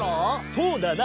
そうだな！